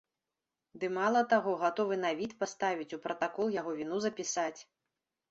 Ды, мала таго, гатовы на від паставіць, у пратакол яго віну запісаць.